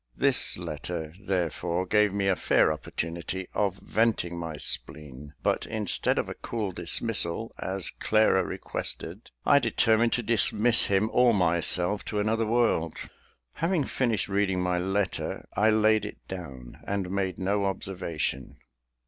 This letter, therefore, gave me a fair opportunity of venting my spleen; but instead of a cool dismissal, as Clara requested, I determined to dismiss him or myself to another world. Having finished reading my letter, I laid it down, and made no observation.